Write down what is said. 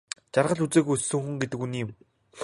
Жаргал үзээгүй өссөн хүн гэдэг үнэн юм.